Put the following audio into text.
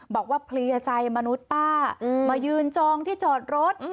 บอกว่าเพลียใจมนุษย์ป้ามายืนจองที่จอดรถ